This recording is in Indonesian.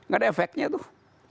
gak ada efeknya tuh